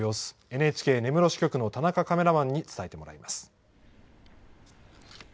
ＮＨＫ根室支局の田中カメラマンに伝えてもらいます。